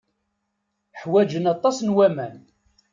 Ḥwajen aṭas n waman.